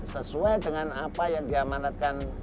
sesuai dengan apa yang dia manatkan